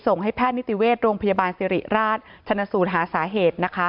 ให้แพทย์นิติเวชโรงพยาบาลสิริราชชนสูตรหาสาเหตุนะคะ